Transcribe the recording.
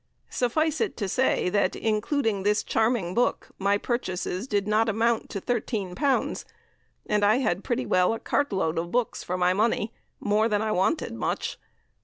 Suffice it to say that, including this charming book, my purchases did not amount to L13, and I had pretty well a cart load of books for my money more than I wanted much!